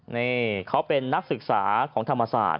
นี่เขาเป็นนักศึกษาของธรรมศาสตร์